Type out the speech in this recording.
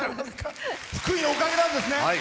福井のおかげなんですね。